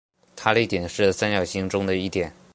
塔里点是三角形中的一点。